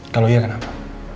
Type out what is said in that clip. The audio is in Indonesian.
kalau iya kenapa